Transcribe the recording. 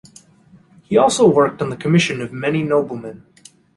He also worked on the commission of many noblemen.